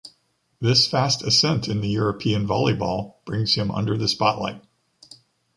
This fast ascent in the European volleyball brings him under the spotlight.